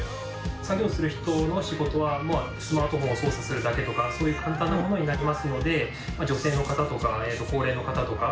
作業する人の仕事はスマートフォンを操作するだけとかそういう簡単なものになりますので女性の方とか高齢の方とかまあお子さんとかでもですね